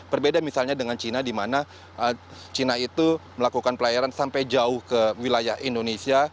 berbeda misalnya dengan china di mana china itu melakukan pelayaran sampai jauh ke wilayah indonesia